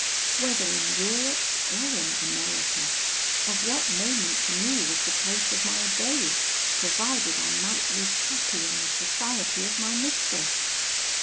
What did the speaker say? Whether in Europe or in America, of what moment to me was the place of my abode, provided I might live happy in the society of my mistress?